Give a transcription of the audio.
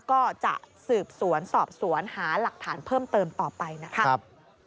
ก็จะสืบสวนสอบสวนหาหลักฐานเพิ่มเติมต่อไปนะครับ